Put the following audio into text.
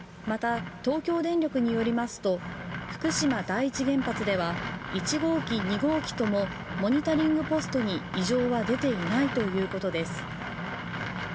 また、東京電力によりますと福島第一原発では１号機、２号機ともモニタリングポストに異常は出ていないということです。